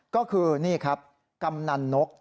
ก็คือนี่ครับกำนันนก